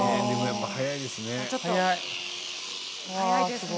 やっぱり早いですね。